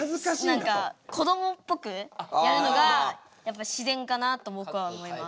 何かこどもっぽくやるのがやっぱ自然かなと僕は思います。